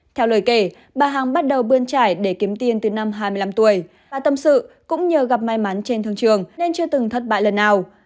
theo lời kể bà hằng bắt đầu bươn trải để kiếm tiền từ năm hai mươi năm tuổi bà tâm sự cũng nhờ gặp may mắn trên thương trường nên chưa từng thất bại lần nào